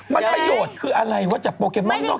มันประโยชน์คืออะไรว่าจับโปเคมอนต์นอกจาก